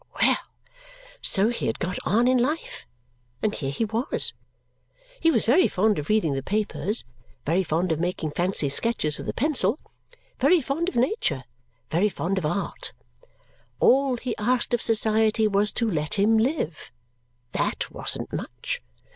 Well! So he had got on in life, and here he was! He was very fond of reading the papers, very fond of making fancy sketches with a pencil, very fond of nature, very fond of art. All he asked of society was to let him live. THAT wasn't much.